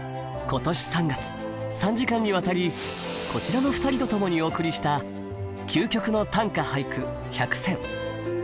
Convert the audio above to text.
今年３月３時間にわたりこちらの２人と共にお送りした「究極の短歌・俳句１００選」。